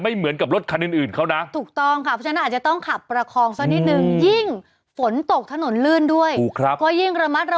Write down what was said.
อ่าถูกต้องสมดุลของมันอ่ะ